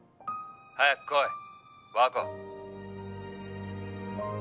早く来い和子。